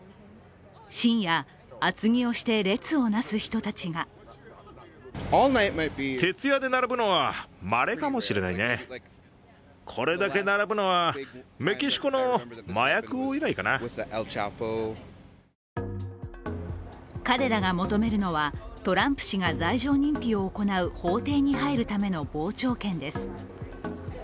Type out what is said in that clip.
深夜、厚着をして列をなす人たちが彼らが求めるのはトランプ氏が罪状認否を行う法廷に入るための傍聴券です。